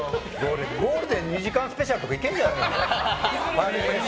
ゴールデン２時間スペシャルとかいけるんじゃないの？